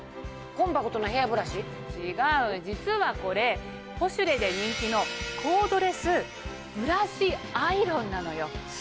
違う実はこれ『ポシュレ』で人気のコードレスブラシアイロンなのよ。